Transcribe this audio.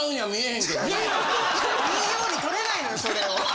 いいように取れないのよそれを。